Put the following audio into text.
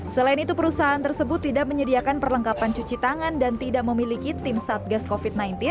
selain itu perusahaan tersebut tidak menyediakan perlengkapan cuci tangan dan tidak memiliki tim satgas covid sembilan belas